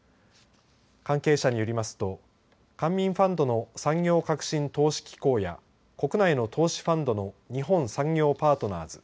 関係者によりますと官民ファンドの産業革新投資機構や国内の投資ファンドの日本産業パートナーズ。